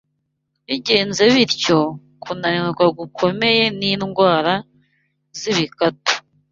Bigenze bityo, kunanirwa gukomeye n’indwara z’ibikatu